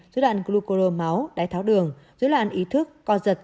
dưới loạn glucuromáu đáy tháo đường dưới loạn ý thức co giật